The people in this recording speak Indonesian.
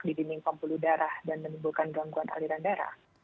di dinding pembuluh darah dan menimbulkan gangguan aliran darah